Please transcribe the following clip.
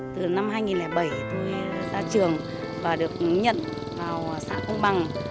từ năm hai nghìn bảy tôi ra trường và được nhận vào xã công bằng